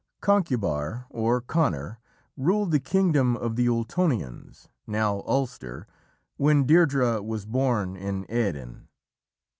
Conchubar, or Conor, ruled the kingdom of the Ultonians, now Ulster, when Deirdrê was born in Erin.